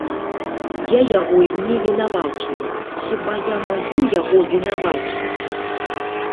Я яго і не вінаваціла, хіба я магу яго вінаваціць?